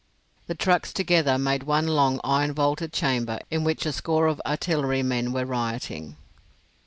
The trucks together made one long iron vaulted chamber in which a score of artillerymen were rioting.